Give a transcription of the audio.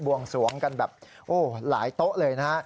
วงสวงกันแบบโอ้หลายโต๊ะเลยนะฮะ